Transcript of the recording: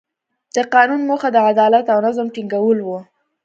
د قانون موخه د عدالت او نظم ټینګول وو.